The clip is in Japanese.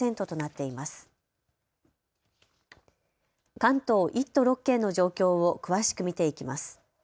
関東１都６県の状況を詳しく見ていきます。